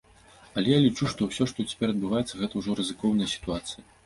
Але я лічу, што ўсё, што цяпер адбываецца, гэта ўжо рызыкоўная сітуацыя.